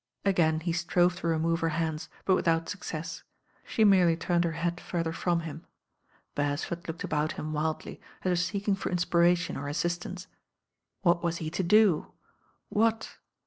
Again he strove to re move her hands, but without success. She merely turned her head further from him. Beresford looked about him wildly, as if seeking for inspiration or assistance. What was he to do? What